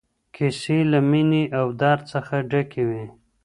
کيسې له مينې او درد څخه ډکې وې.